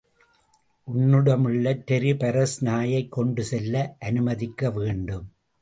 உன்னிடமுள்ள ரெரிபரஸ் நாயைக் கொண்டு செல்ல அநுமதிக்க வேண்டும்!